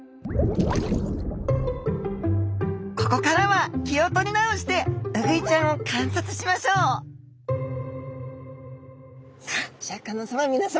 ここからは気を取り直してウグイちゃんを観察しましょうさあシャーク香音さまみなさま